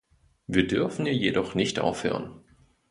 Wir dürfen hier jedoch nicht aufhören.